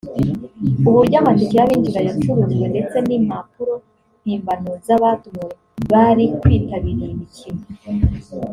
uburyo amatike y’abinjira yacurujwe ndetse n’impapuro mpimbano z’abatumiwe bari kwitabira iyi mikino